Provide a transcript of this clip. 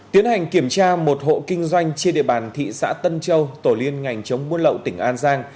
tiến hành kiểm tra một hộ kinh doanh trên địa bàn thị xã tân châu tổ liên ngành chống buôn lậu tỉnh an giang